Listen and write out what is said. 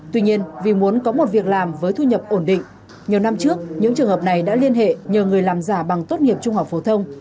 tuy nhiên vì muốn có một việc làm với thu nhập ổn định nhiều năm trước những trường hợp này đã liên hệ nhờ người làm giả bằng tốt nghiệp trung học phổ thông